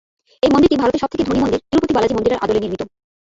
এই মন্দিরটি ভারতের সব থেকে ধনী মন্দির তিরুপতি বালাজি মন্দিরের আদলে নির্মিত।